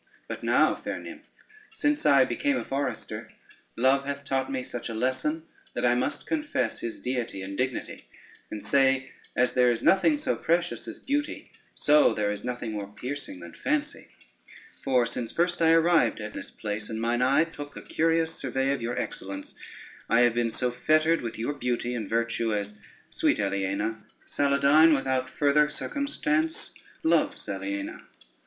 But now, fair nymph, since I became a forester, Love hath taught me such a lesson that I must confess his deity and dignity, and say as there is nothing so precious as beauty, so there is nothing more piercing than fancy. For since first I arrived at this place, and mine eye took a curious survey of your excellence, I have been so fettered with your beauty and virtue, as, sweet Aliena, Saladyne without further circumstance loves Aliena.